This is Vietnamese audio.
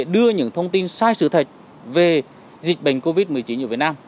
đưa những thông tin sai sự thật về dịch bệnh covid một mươi chín ở việt nam